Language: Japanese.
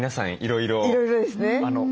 いろいろですね。